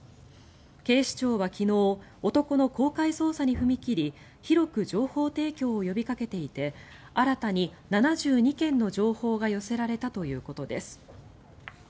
警視庁は昨日男の公開捜査に踏み切り広く情報提供を呼びかけていて新たに７２件の情報が寄せられたということです。